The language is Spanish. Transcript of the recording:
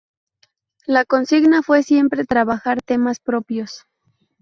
La consigna fue siempre trabajar temas propios.